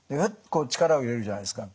こう力を入れるじゃないですか。